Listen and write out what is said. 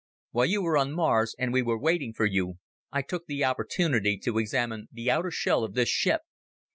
"While you were on Mars and we were waiting for you, I took the opportunity to examine the outer shell of this ship.